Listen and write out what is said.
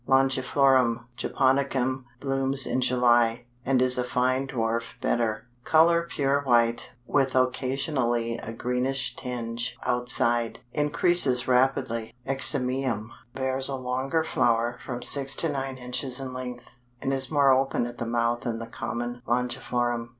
Longiflorum Japonicum blooms in July, and is a fine dwarf bedder; color pure white, with occasionally a greenish tinge outside. Increases rapidly. Eximium bears a longer flower, from six to nine inches in length, and is more open at the mouth than the common Longiflorum.